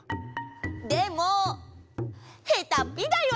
でもへたっぴだよね？